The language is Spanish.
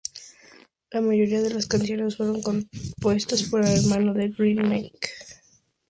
La mayoría de las canciones fueron compuestas por el hermano de Green, Mike.